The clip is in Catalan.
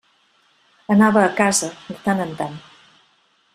Anava a casa, de tant en tant.